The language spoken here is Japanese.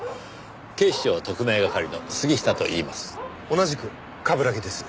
警視庁特命係の杉下といいます。